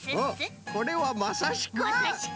これはまさしく。